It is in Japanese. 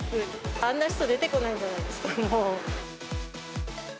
あんな人出てこないんじゃないですか、もう。